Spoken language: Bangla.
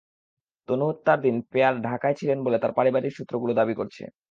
তনু হত্যার দিন পেয়ার ঢাকায় ছিলেন বলে তাঁর পারিবারিক সূত্রগুলো দাবি করছে।